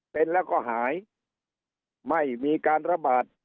เป็นแล้วก็หายไม่มีการระบาด